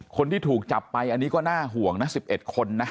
คนที่ถูกจับไปอันนี้ก็น่าห่วงนะ๑๑คนนะ